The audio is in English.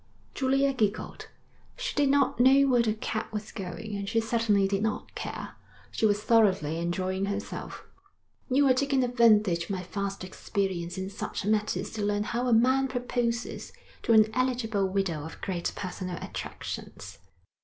Julia giggled. She did not know where the cab was going, and she certainly did not care. She was thoroughly enjoying herself. 'You were taking advantage of my vast experience in such matters to learn how a man proposes to an eligible widow of great personal attractions.'